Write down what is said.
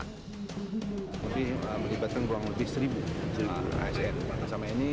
tapi melibatkan kurang lebih seribu asn bersama ini